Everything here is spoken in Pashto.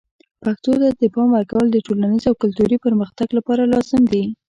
پښتو ته د پام ورکول د ټولنیز او کلتوري پرمختګ لپاره لازم دي.